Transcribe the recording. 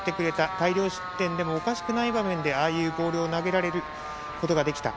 大量失点でもおかしくない場面でああいうボールを投げることができた。